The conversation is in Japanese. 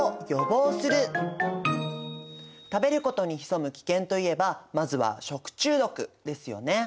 １！食べることに潜む危険といえばまずは食中毒ですよね。